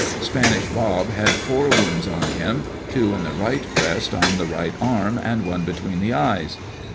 Spanish Bob had four wounds on him, two in the right breast, on the right arm, and one between the eyes.